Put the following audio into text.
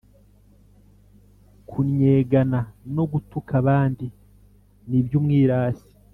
Kunnyegana no gutuka abandi, ni iby’umwirasi,